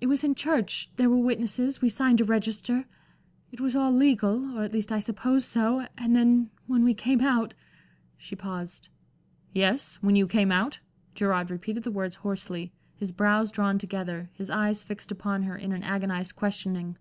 It was in church there were witnesses, we signed a register it was all legal, or at least I suppose so. And then when we came out" she paused. "Yes when you came out?" Gerard repeated the words hoarsely, his brows drawn together, his eyes fixed upon her in an agonized questioning.